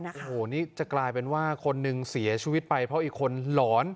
โอ้โหนี่จะกลายเป็นว่าคนหนึ่งเสียชีวิตไปเพราะอีกคนหลอน